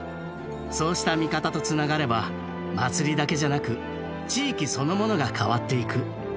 そうした味方とつながれば祭りだけじゃなく地域そのものが変わっていく。